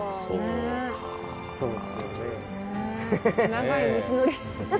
長い道のり。